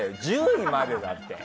１０位までだって。